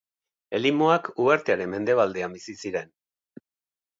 Elimoak uhartearen mendebaldean bizi ziren.